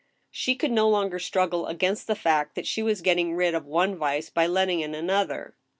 She could no longer struggle against the fact that she was get ting rid of one vice by letting in another.